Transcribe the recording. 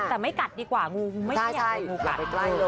แต่ไม่กัดดีกว่างูไม่อยากให้งูกัด